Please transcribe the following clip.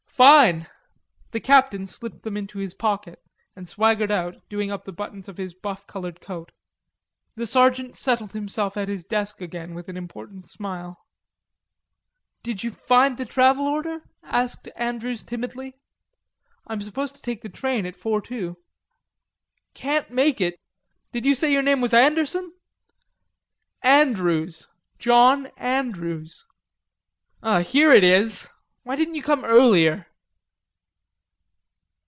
"Fine." The captain slipped them into his pocket and swaggered out doing up the buttons of his buff colored coat. The sergeant settled himself at his desk again with an important smile. "Did you find the travel order?" asked Andrews timidly. "I'm supposed to take the train at four two." "Can't make it.... Did you say your name was Anderson?" "Andrews.... John Andrews." "Here it is.... Why didn't you come earlier?"